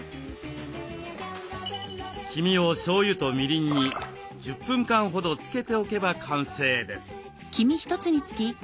黄身をしょうゆとみりんに１０分間ほど漬けておけば完成です。